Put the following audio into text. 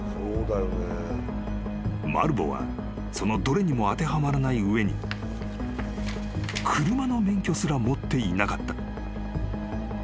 ［マルヴォはそのどれにも当てはまらない上に車の免許すら持っていなかった］